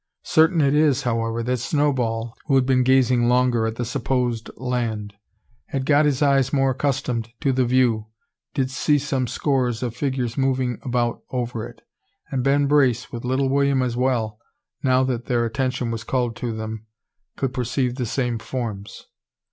Certain it is, however, that Snowball, who had been gazing longer at the supposed land, and had got his eyes more accustomed to the view, did see some scores of figures moving about over it; and Ben Brace, with little William as well, now that their attention was called to them, could perceive the same forms.